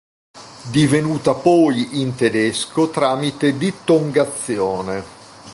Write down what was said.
Divenuta poi in tedesco tramite dittongazione.